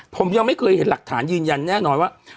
ผมยังไม่เคยเห็นหลักฐานยืนยันแน่นอนว่า